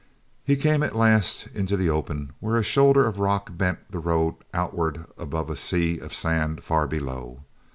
e came at last into the open where a shoulder of rock bent the road outward above a sea of sand far below.